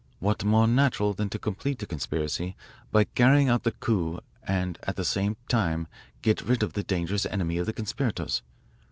What more natural than to complete the conspiracy by carrying out the coup and at the same time get rid of the dangerous enemy of the conspirators?